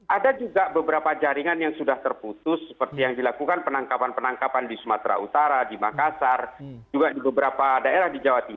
ada juga beberapa jaringan yang sudah terputus seperti yang dilakukan penangkapan penangkapan di sumatera utara di makassar juga di beberapa daerah di jawa timur